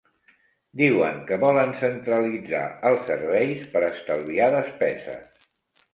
Diuen que volen centralitzar els serveis per estalviar despeses.